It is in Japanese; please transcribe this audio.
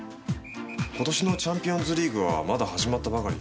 今年のチャンピオンズリーグはまだ始まったばかり。